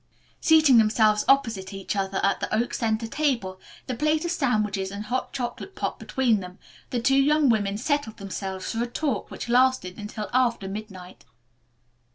Seating themselves opposite each other at the oak center table, the plate of sandwiches and the chocolate pot between them, the two young women settled themselves for a talk which lasted until after midnight.